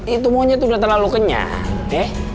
itu monyet udah terlalu kenyang deh